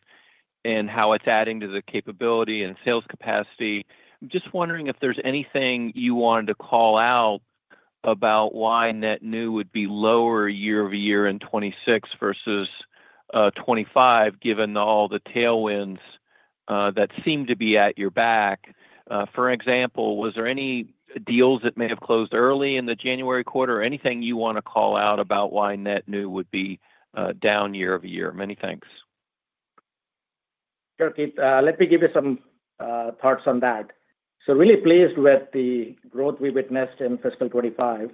and how it is adding to the capability and sales capacity. I'm just wondering if there's anything you wanted to call out about why net new would be lower year over year in 2026 versus 2025, given all the tailwinds that seem to be at your back. For example, was there any deals that may have closed early in the January quarter or anything you want to call out about why net new would be down year over year? Many thanks. Sure, Keith. Let me give you some thoughts on that. Really pleased with the growth we witnessed in fiscal 2025.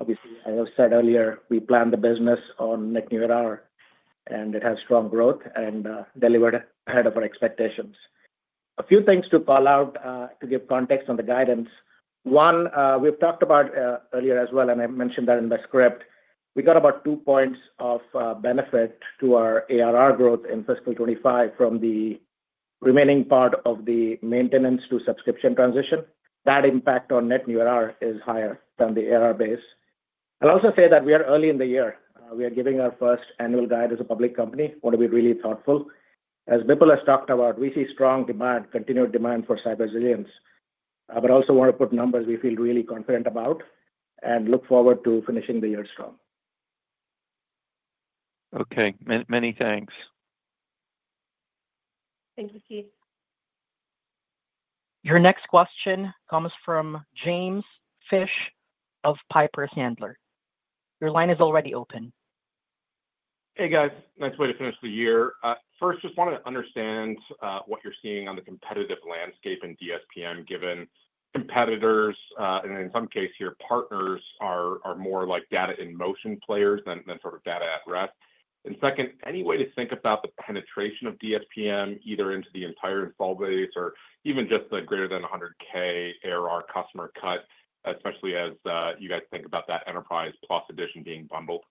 Obviously, as I said earlier, we planned the business on net new ARR, and it has strong growth and delivered ahead of our expectations. A few things to call out to give context on the guidance. One, we've talked about earlier as well, and I mentioned that in the script, we got about two percentage points of benefit to our ARR growth in fiscal 2025 from the remaining part of the maintenance to subscription transition. That impact on net new ARR is higher than the ARR base. I'll also say that we are early in the year. We are giving our first annual guide as a public company we want to be really thoughtful. As Bipul has talked about, we see strong demand, continued demand for cyber resilience. I also want to put numbers we feel really confident about and look forward to finishing the year strong. Okay. Many thanks. Thank you, Keith. Your next question comes from James Fish of Piper Sandler. Your line is already open. Hey, guys. Nice way to finish the year. First, just wanted to understand what you're seeing on the competitive landscape in DSPM, given competitors and, in some case, your partners are more like data in motion players than sort of data at rest. Second, any way to think about the penetration of DSPM either into the entire install base or even just the greater than $100,000 ARR customer cut, especially as you guys think about that Enterprise Plus edition being bundled?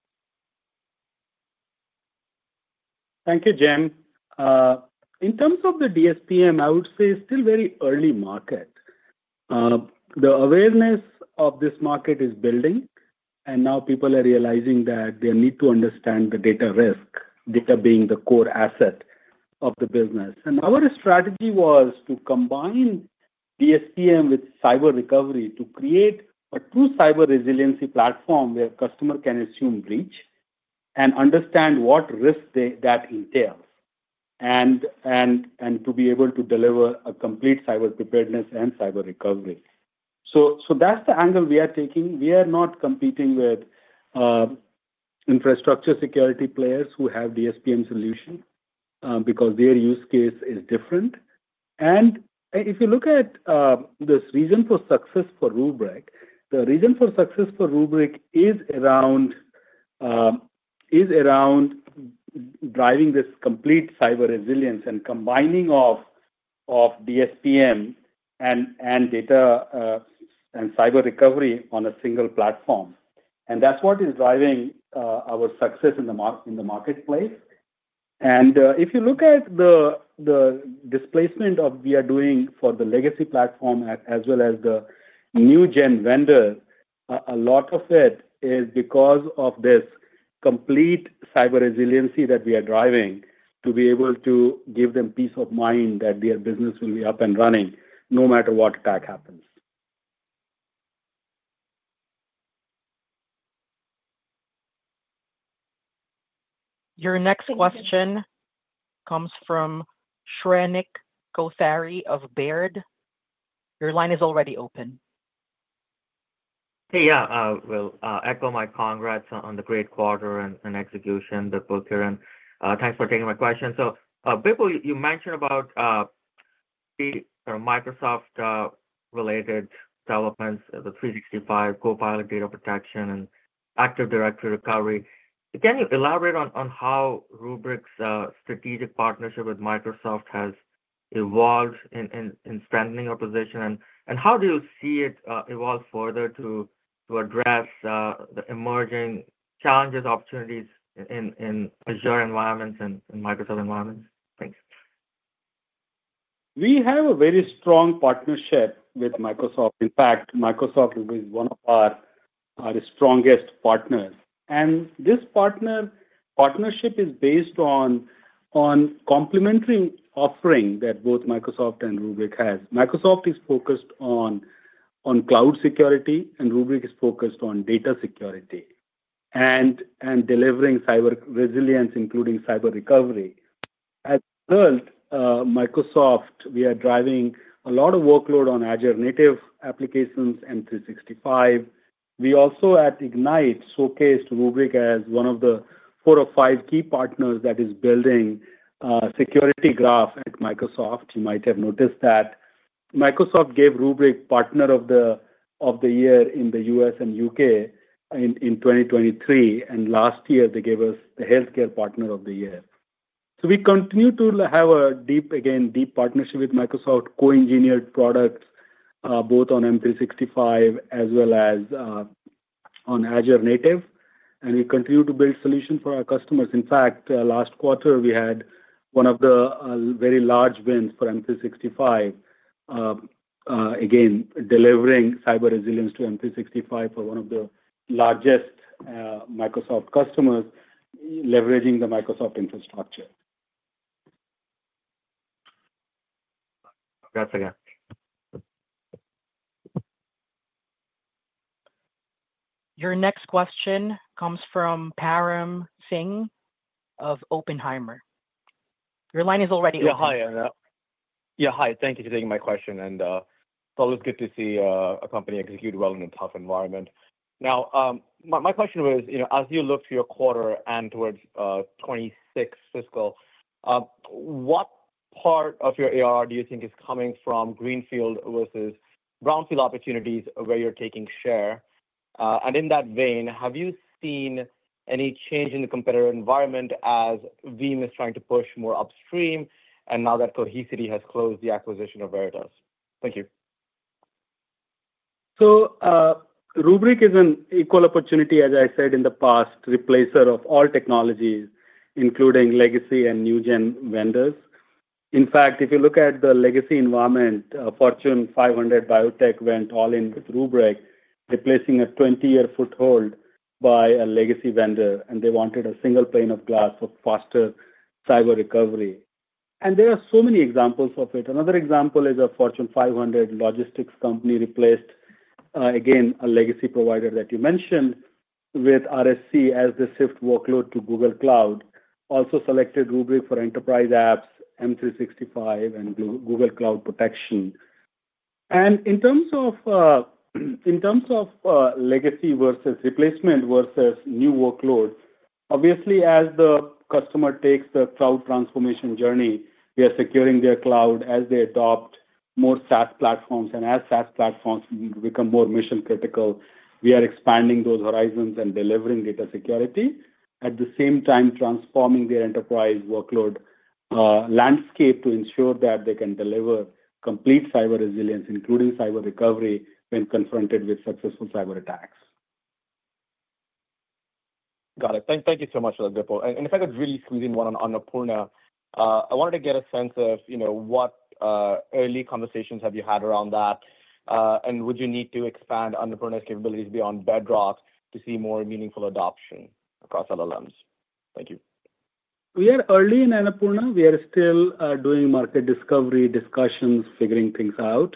Thank you, Jim. In terms of the DSPM, I would say it's still very early market. The awareness of this market is building, and now people are realizing that they need to understand the data risk, data being the core asset of the business. Our strategy was to combine DSPM with cyber recovery to create a true cyber resiliency platform where a customer can assume breach and understand what risk that entails and to be able to deliver a complete cyber preparedness and cyber recovery. That is the angle we are taking. We are not competing with infrastructure security players who have DSPM solutions because their use case is different. If you look at this reason for success for Rubrik, the reason for success for Rubrik is around driving this complete cyber resilience and combining of DSPM and data and cyber recovery on a single platform. That is what is driving our success in the marketplace. If you look at the displacement of what we are doing for the legacy platform as well as the new-gen vendor, a lot of it is because of this complete cyber resiliency that we are driving to be able to give them peace of mind that their business will be up and running no matter what attack happens. Your next question comes from Shrenik Kothari of Baird. Your line is already open. Hey, yeah. I will echo my congrats on the great quarter and execution, Bipul, Kiran. Thanks for taking my question. Bipul, you mentioned about Microsoft-related developments, the 365 Copilot data protection and Active Directory recovery. Can you elaborate on how Rubrik's strategic partnership with Microsoft has evolved in strengthening your position, and how do you see it evolve further to address the emerging challenges, opportunities in Azure environments and Microsoft environments? Thanks. We have a very strong partnership with Microsoft. In fact, Microsoft is one of our strongest partners. This partnership is based on complementary offering that both Microsoft and Rubrik has. Microsoft is focused on cloud security, and Rubrik is focused on data security and delivering cyber resilience, including cyber recovery. As a result, Microsoft, we are driving a lot of workload on Azure-native applications and 365. We also, at Ignite, showcased Rubrik as one of the four or five key partners that is building Security Graph at Microsoft you might have noticed that. Microsoft gave Rubrik Partner of the Year in the U.S. and U.K. in 2023, and last year, they gave us the Healthcare Partner of the Year. We continue to have a, again, deep partnership with Microsoft, co-engineered products both on M365 as well as on Azure native, and we continue to build solutions for our customers in fact, last quarter, we had one of the very large wins for M365, again, delivering cyber resilience to M365 for one of the largest Microsoft customers, leveraging the Microsoft infrastructure. Congrats, again. Your next question comes from Param Singh of Oppenheimer. Your line is already open. Yeah. Hi. Yeah. Hi. Thank you for taking my question. And it's always good to see a company execute well in a tough environment. Now, my question was, as you look to your quarter and towards 2026 fiscal, what part of your ARR do you think is coming from greenfield versus brownfield opportunities where you're taking share? In that vein, have you seen any change in the competitor environment as Veeam is trying to push more upstream, and now that Cohesity has closed the acquisition of Veritas? Thank you. Rubrik is an equal opportunity, as I said in the past, replacer of all technologies, including legacy and new-gen vendors. In fact, if you look at the legacy environment, Fortune 500 biotech went all in with Rubrik, replacing a 20-year foothold by a legacy vendor, and they wanted a single pane of glass for faster cyber recovery. There are so many examples of it another example is a Fortune 500 logistics company replaced, again, a legacy provider that you mentioned with RSC as they shift workload to Google Cloud. Also selected Rubrik for enterprise apps, M365, and Google Cloud protection. In terms of legacy versus replacement versus new workload, obviously, as the customer takes the cloud transformation journey, we are securing their cloud as they adopt more SaaS platforms, As SaaS platforms become more mission-critical, we are expanding those horizons and delivering data security, at the same time transforming their enterprise workload landscape to ensure that they can deliver complete cyber resilience, including cyber recovery when confronted with successful cyber attacks. Got it. Thank you so much for that, Bipul. If I could really squeeze in one on Annapurna, I wanted to get a sense of what early conversations have you had around that, and would you need to expand Annapurna's capabilities beyond Bedrock to see more meaningful adoption across LLMs? Thank you. We are early in Annapurna. We are still doing market discovery discussions, figuring things out.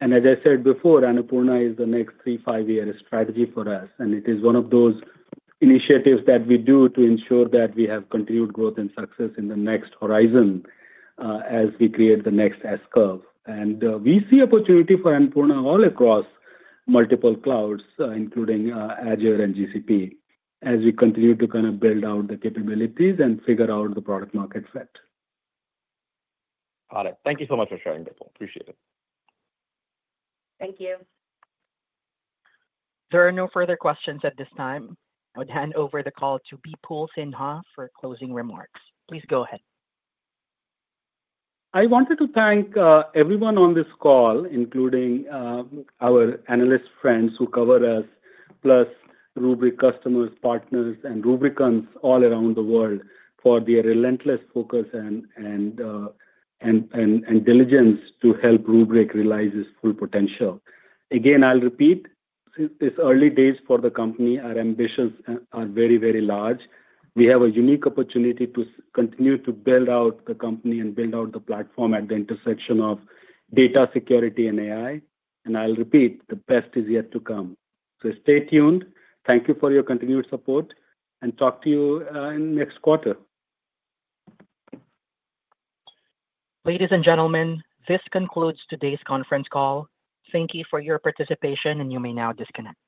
As I said before, Annapurna is the next three, five-year strategy for us, and it is one of those initiatives that we do to ensure that we have continued growth and success in the next horizon as we create the next S-curve. We see opportunity for Annapurna all across multiple clouds, including Azure and GCP, as we continue to kind of build out the capabilities and figure out the product-market fit. Got it. Thank you so much for sharing, Bipul. Appreciate it. Thank you. There are no further questions at this time. I'll hand over the call to Bipul Sinha for closing remarks. Please go ahead. I wanted to thank everyone on this call, including our analyst friends who cover us, plus Rubrik customers, partners, and Rubrikans all around the world for their relentless focus and diligence to help Rubrik realize its full potential. Again, I'll repeat, since these early days for the company, our ambitions are very, very large. We have a unique opportunity to continue to build out the company and build out the platform at the intersection of data security and AI. I'll repeat, the best is yet to come. Stay tuned. Thank you for your continued support, and talk to you in next quarter. Ladies and gentlemen, this concludes today's conference call. Thank you for your participation, and you may now disconnect.